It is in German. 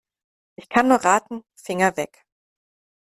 Ich kann nur raten: Finger weg!